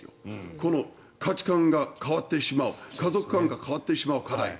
この価値観が変わってしまう家族観が変わってしまう課題。